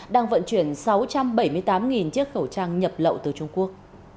đang vận chuyển sáu trăm bảy mươi tám chiếc khẩu trang nhập lậu từ trung quốc